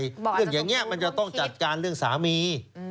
เรื่องอย่างนี้มันจะต้องจัดการเรื่องสามี